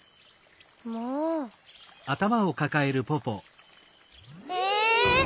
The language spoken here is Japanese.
もう！え！？